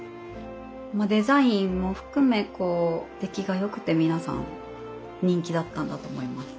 まあデザインも含め出来が良くて皆さん人気だったんだと思います。